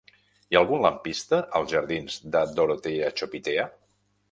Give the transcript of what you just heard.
Hi ha algun lampista als jardins de Dorotea Chopitea?